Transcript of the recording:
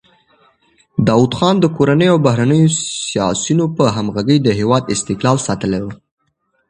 داوود خان د کورنیو او بهرنیو سیاستونو په همغږۍ د هېواد استقلال ساتلی و.